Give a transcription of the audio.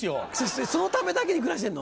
そのためだけに暮らしてんの？